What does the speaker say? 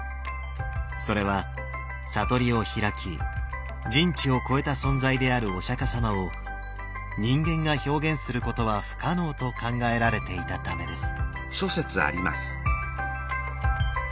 それは悟りを開き人知を超えた存在であるお釈様を人間が表現することは不可能と考えられていたためです。